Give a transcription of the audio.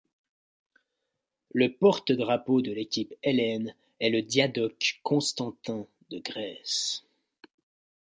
Le porte-drapeau de l'équipe hellène est le diadoque Constantin de Grèce.